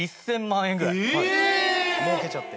もうけちゃって。